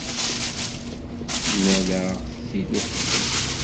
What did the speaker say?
Mlaleɣ-t-id uqbel.